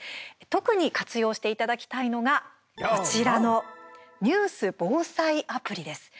特に活用していただきたいのがこちらのニュース・防災アプリです。